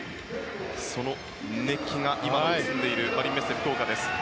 その熱気が今も包んでいるマリンメッセ福岡です。